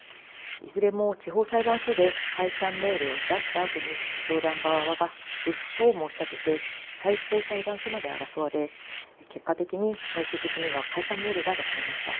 いずれも地方裁判所で解散命令を出したあとに教団側が不服を申し立て最高裁判所まで争われ結果的に最終的には解散命令が出されました。